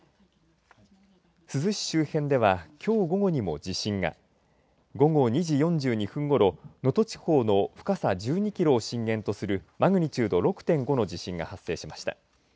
珠洲市周辺ではきょう午後にも地震が午後２時４２分ごろ能登地方の深さ１２キロを震源とするマグニチュード６．５の地震が発生しました。